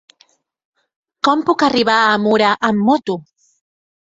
Com puc arribar a Mura amb moto?